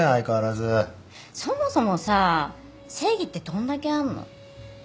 そもそもさ正義ってどんだけあんの？